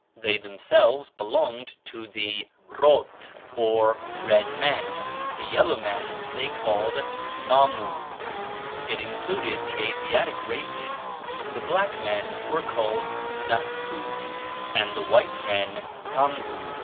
They themselves belonged to the "Rot," or red men; the yellow men they called "Namu" it included the Asiatic races; the black men were called "Nahsu," and the white men "Tamhu."